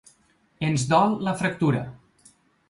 Ens dol la fractura.